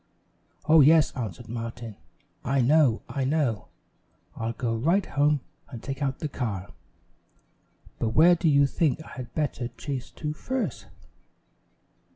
"Oh, yes," answered Martin, "I know. I know. I'll go right home and take out the car but where do you think I had better chase to first?"